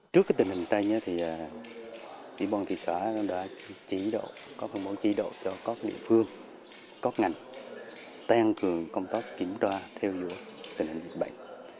trước tình hình tay thì địa bàn thị xã đã có phần mẫu chỉ độ cho các địa phương các ngành tăng cường công tác kiểm tra theo dõi tình hình dịch bệnh